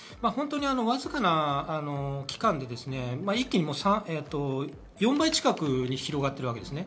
わずかな期間で一気に４倍近くに広がっています。